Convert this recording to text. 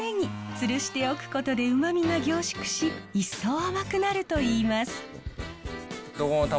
つるしておくことでうまみが凝縮し一層甘くなるといいます。